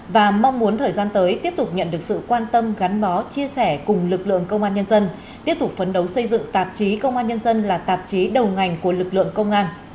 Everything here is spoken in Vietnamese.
và mong muốn thời gian tới tiếp tục nhận được sự quan tâm gắn bó chia sẻ cùng lực lượng công an nhân dân tiếp tục phấn đấu xây dựng tạp chí công an nhân dân là tạp chí đầu ngành của lực lượng công an